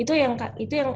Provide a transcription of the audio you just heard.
itu yang ingin diperhatikan